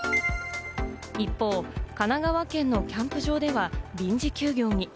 一方、神奈川県のキャンプ場では臨時休業に。